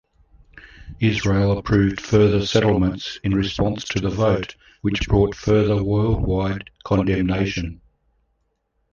Israel approved further settlements in response to the vote, which brought further worldwide condemnation.